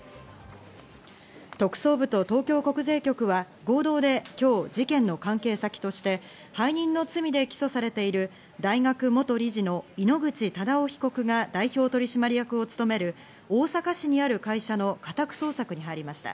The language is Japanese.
特捜部と東京国税局は合同で今日事件の関係先として背任の罪で起訴されている大学元理事の井ノ口忠男被告が代表取締役を務める逢坂氏にある会社の家宅捜索に入りました。